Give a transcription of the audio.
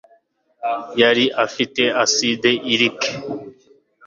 Yari afite aside irike